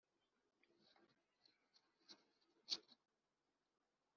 Abamariraho umushike n’umujinya